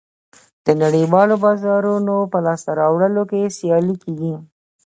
د نړیوالو بازارونو په لاسته راوړلو کې سیالي کېږي